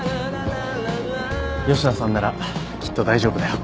吉野さんならきっと大丈夫だよ。